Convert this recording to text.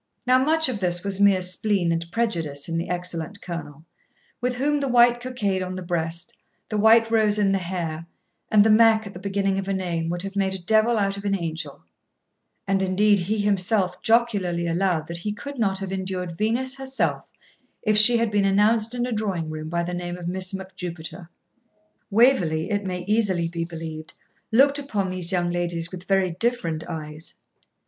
Now much of this was mere spleen and prejudice in the excellent Colonel, with whom the white cockade on the breast, the white rose in the hair, and the Mac at the beginning of a name would have made a devil out of an angel; and indeed he himself jocularly allowed that he could not have endured Venus herself if she had been announced in a drawing room by the name of Miss Mac Jupiter. Waverley, it may easily be believed, looked upon these young ladies with very different eyes.